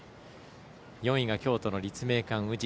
４位が京都の立命館宇治。